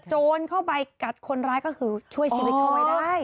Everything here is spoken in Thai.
โจรเข้าไปกัดคนร้ายก็คือช่วยชีวิตเขาไว้ได้